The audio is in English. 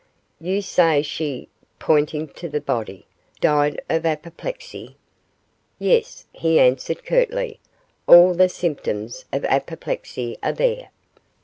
'You say she,' pointing to the body, 'died of apoplexy?' 'Yes,' he answered, curtly, 'all the symptoms of apoplexy are there.